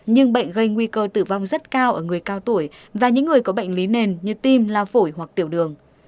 nhưng bệnh gây nguy cơ tử vong rất cao ở người cao tuổi và những người có bệnh lý nền như tim la phổi hoặc tiểu đường